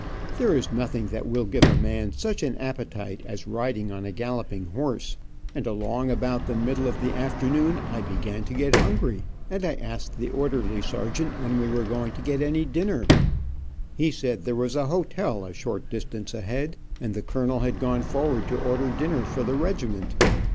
There is nothing that will give a man such an appetite as riding on a galloping horse, and along about the middle of the afternoon I began to get hungry, and asked the orderly sergeant when we were going to get any dinner. He said there was a hotel a short distance ahead, and the colonel had gone forward to order dinner for the regiment.